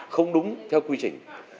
không đúng theo quy trình